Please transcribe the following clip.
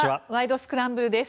スクランブル」です。